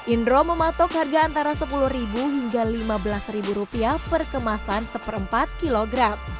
indro mematok harga antara sepuluh hingga lima belas rupiah per kemasan satu empat kg